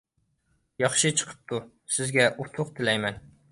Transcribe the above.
ياخشى چىقىپتۇ، سىزگە ئۇتۇق تىلەيمەن.